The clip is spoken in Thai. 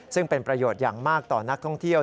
ซึ่งเป็นประโยชน์อย่างมากต่อนักท่องเที่ยว